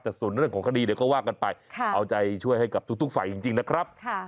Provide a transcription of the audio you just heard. แต่ส่วนเรื่องของคดีเดี๋ยวก็ว่ากันไปเอาใจช่วยให้กับทุกฝ่ายจริงนะครับ